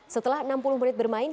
setelah enam puluh menit bermain